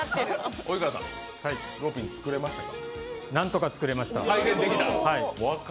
及川さん、ローピン作れましたか？